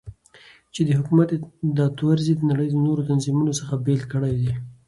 چې دحكومت دا طرز يي دنړۍ دنورو تنظيمونو څخه بيل كړى دى .